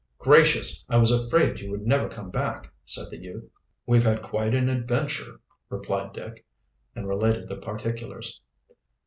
"Gracious! I was afraid you would never come back," said the youth. "We've had quite an adventure," replied Dick, and related the particulars.